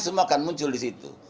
semua akan muncul di situ